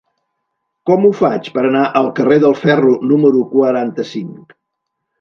Com ho faig per anar al carrer del Ferro número quaranta-cinc?